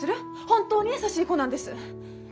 本当に優しい子なんです。